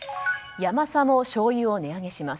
ヤマサもしょうゆを値上げします。